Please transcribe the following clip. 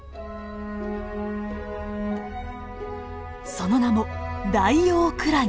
その名もダイオウクラゲ。